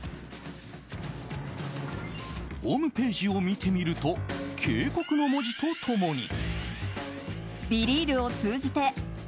ホームページを見てみると警告の文字と共に。